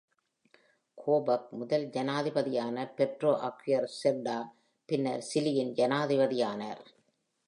கோபக் முதல் ஜனாதிபதியான பெட்ரோ அகுயர் செர்டா , பின்னர் சிலியின் ஜனாதிபதியானார்.